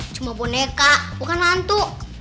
cuma boneka bukan hantu